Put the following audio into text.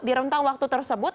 di rentang waktu tersebut